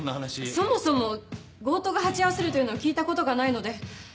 そもそも強盗が鉢合わせるというのを聞いたことがないので。